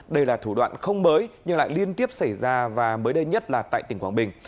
đây là thủ đoạn không mới nhưng lại liên tiếp xảy ra và mới đây nhất là tại tỉnh quảng bình